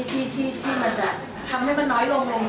ที่มันจะทำให้มันน้อยลง